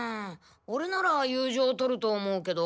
オレなら友情を取ると思うけど。